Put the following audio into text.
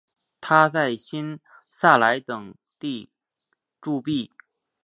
他在新萨莱等地铸币。